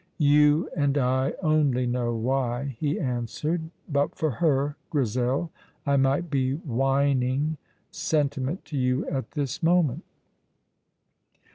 "You and I only know why," he answered. "But for her, Grizel, I might be whining sentiment to you at this moment."